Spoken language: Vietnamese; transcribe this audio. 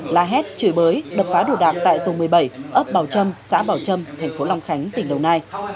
la hét chửi bới đập phá đùa đạc tại tù một mươi bảy ấp bầu trâm xã bầu trâm thành phố long khánh tỉnh đồng nai